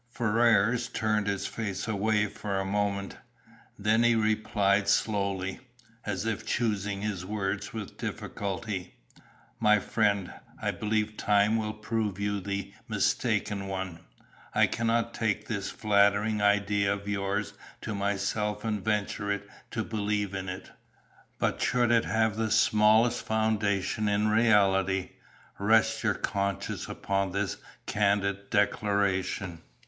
Ferrars turned his face away for a moment. Then he replied slowly, as if choosing his words with difficulty. "My friend, I believe time will prove you the mistaken one. I cannot take this flattering idea of yours to myself and venture to believe in it, but should it have the smallest foundation in reality, rest your conscience upon this candid declaration.